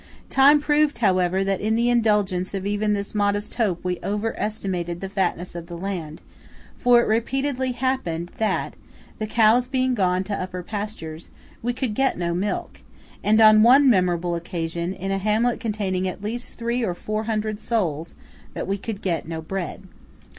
Time proved, however, that in the indulgence of even this modest hope we over estimated the fatness of the land; for it repeatedly happened that (the cows being gone to upper pastures) we could get no milk; and on one memorable occasion, in a hamlet containing at least three or four hundred souls, that we could get no bread.